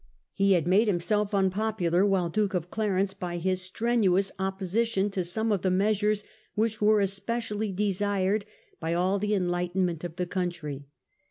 He had made himself unpopular while Duke of Clarence by his strenuous opposition to some of the measures which were especially desired by all the enlightenment of the country.